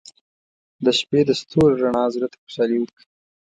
• د شپې د ستورو رڼا زړه ته خوشحالي ورکوي.